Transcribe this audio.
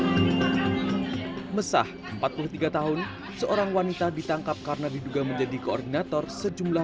hai ya mesah empat puluh tiga tahun seorang wanita ditangkap karena diduga menjadi koordinator sejumlah